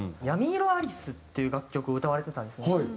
『闇色アリス』っていう楽曲を歌われてたんですね。